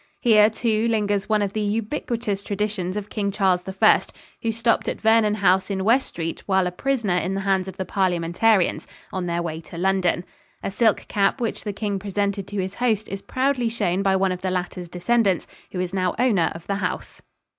Here, too, lingers one of the ubiquitous traditions of King Charles I, who stopped at Vernon House in West Street while a prisoner in the hands of the Parliamentarians on their way to London. A silk cap which the king presented to his host is proudly shown by one of the latter's descendants, who is now owner of the house.